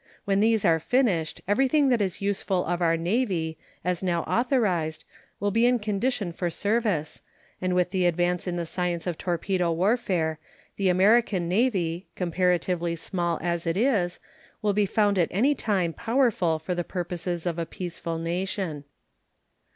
When these are finished, everything that is useful of our Navy, as now authorized, will be in condition for service, and with the advance in the science of torpedo warfare the American Navy, comparatively small as it is, will be found at any time powerful for the purposes of a peaceful nation.